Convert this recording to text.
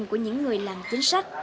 của những người làm chính sách